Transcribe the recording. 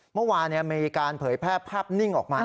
เมื่อวานเนี่ยอเมริกานเผยแพร่ภาพนิ่งออกมา